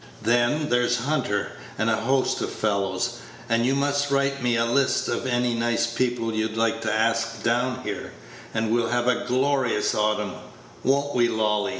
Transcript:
Then there's Hunter, and a host of fellows; and you must write me a list of any nice people you'd like to ask down here, and we'll have a glorious autumn won't we, Lolly?"